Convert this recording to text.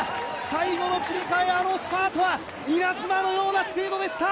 最後の切り替え、あのスパートは稲妻のようなスピードでした。